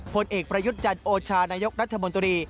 ผลเอกประยุทธ์จันทร์โอชานายกรัฐมนตรี